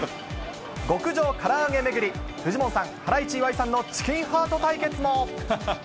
極上から揚げ巡り、フジモンさん、ハライチ・岩井さんのチキンハート対決も。